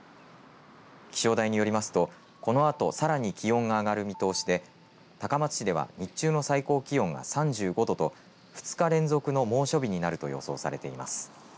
気象台によりますとこのあとさらに気温が上がる見通しで高松市では日中の最高気温は３５度と２日連続の猛暑日になると予想されています。